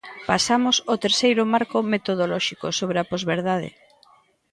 Pasamos ao terceiro marco metodolóxico, sobre a posverdade.